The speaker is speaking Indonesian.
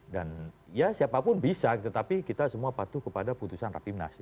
dan ya siapapun bisa tetapi kita semua patuh kepada keputusan rapimnas